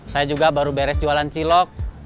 saya juga baru beres jualan cilok